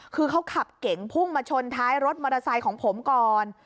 คือเขาขับเก๋งพุ่งมาชนท้ายรถมอเตอร์ไซค์ของผมก่อน